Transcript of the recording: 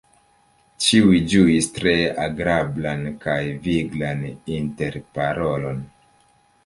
Ĉiuj ĝuis tre agrablan kaj viglan interparolon.